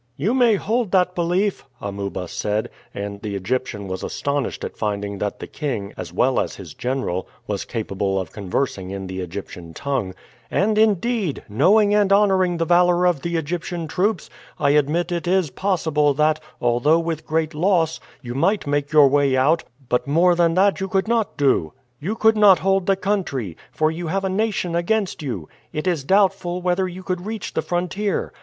"You may hold that belief," Amuba said (and the Egyptian was astonished at finding that the king, as well as his general, was capable of conversing in the Egyptian tongue); "and, indeed, knowing and honoring the valor of the Egyptian troops, I admit it is possible that, although with great loss, you might make your way out, but more than that you could not do. You could not hold the country, for you have a nation against you. It is doubtful whether you could reach the frontier.